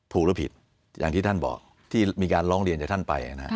หรือผิดอย่างที่ท่านบอกที่มีการร้องเรียนจากท่านไป